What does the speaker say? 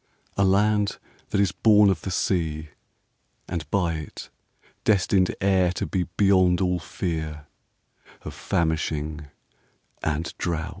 A land that is born of the sea and by it destined e'er to be Beyond all fear of famishing and drouth.